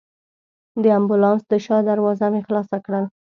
د امبولانس د شا دروازه مې خلاصه کړل.